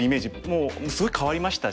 もうすごい変わりましたし。